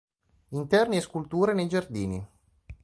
Interni e sculture nei giardini